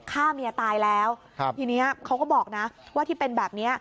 ฆ่าเมียตายแล้วครับทีนี้เขาก็บอกนะว่าที่เป็นแบบเนี้ย